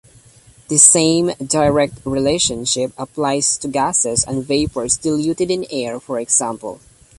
The same direct relationship applies to gases and vapors diluted in air for example.